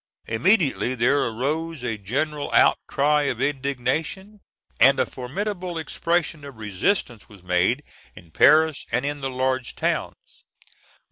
Immediately there arose a general outcry of indignation, and a formidable expression of resistance was made in Paris and in the large towns.